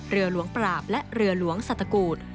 เรือลวงปราปและเรือลวงสัตว์ตะกูล